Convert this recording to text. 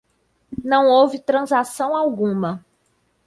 Não houve transação alguma.